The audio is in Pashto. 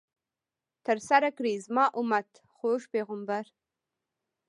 ترسره کړئ، زما امت ، خوږ پیغمبر